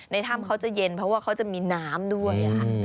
ถ้ำเขาจะเย็นเพราะว่าเขาจะมีน้ำด้วย